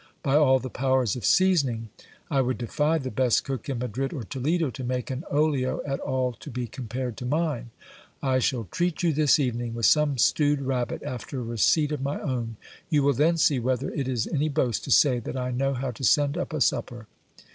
By all the powers of seasoning! I would defy the best cook in Madrid or Toledo to make an olio at all to be compared to mine. I shall treat you this evening with some stewed rabbit after a receipt of my own ; you will then see whether it is any boast to say that I know how to send up a supper.